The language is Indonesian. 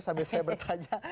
sambil saya bertanya